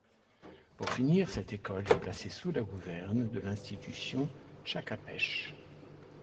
Pour finir, cette école est placée sous la gouverne de l'Institution Tshakapesh.